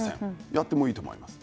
やってもいいと思います。